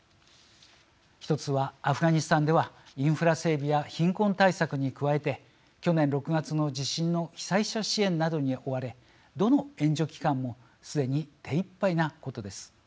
一つはアフガニスタンではインフラ整備や貧困対策に加えて去年６月の地震の被災者支援などに追われどの援助機関もすでに手いっぱいなことです。